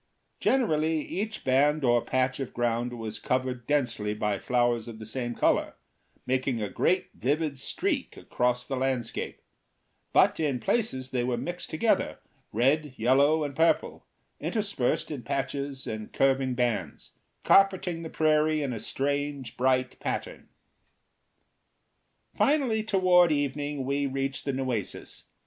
Generally each band or patch of ground was covered densely by flowers of the same color, making a great vivid streak across the landscape; but in places they were mixed together, red, yellow, and purple, interspersed in patches and curving bands, carpeting the prairie in a strange, bright pattern. Finally, toward evening we reached the Nueces.